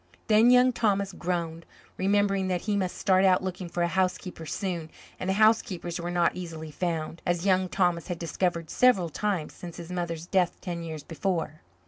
Then Young Thomas groaned, remembering that he must start out looking for a housekeeper soon; and housekeepers were not easily found, as Young Thomas had discovered several times since his mother's death ten years before.